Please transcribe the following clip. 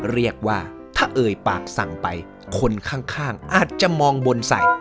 เรียกว่าถ้าเอ่ยปากสั่งไปคนข้างอาจจะมองบนใส่